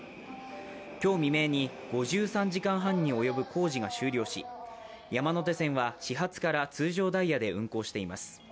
今日未明に、５３時間半に及ぶ工事が終了し、山手線は始発から通常ダイヤで運行しています。